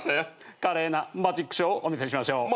華麗なマジックショーをお見せしましょう。